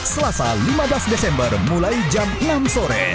selasa lima belas desember mulai jam enam sore